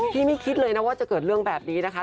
ไม่คิดเลยนะว่าจะเกิดเรื่องแบบนี้นะคะ